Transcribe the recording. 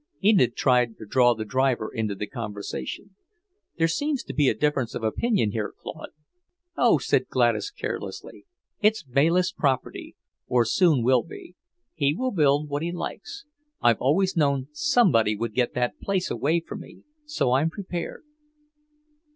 Enid tried to draw the driver into the conversation. "There seems to be a difference of opinion here, Claude." "Oh," said Gladys carelessly, "it's Bayliss' property, or soon will be. He will build what he likes. I've always known somebody would get that place away from me, so I'm prepared."